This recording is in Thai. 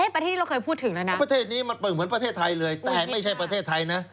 ประเทศนี้เราเคยพูดถึงแล้วนะประเทศนี้มันเปิดเหมือนประเทศไทยเลยแต่ไม่ใช่ประเทศไทยนะ